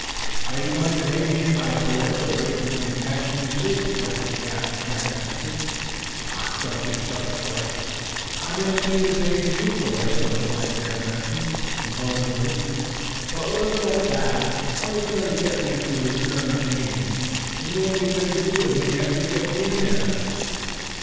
"Are you going to take me in by force, or wait until you catch me asleep?" questioned Captain Jack Benson. "Ach! Do not be silly, boy!" "I might say the same to you, Professor," replied Jack Benson, composedly, "but we'll let it pass. How are you going to get me into the German Navy, and what are you going to do with me after you get me there?"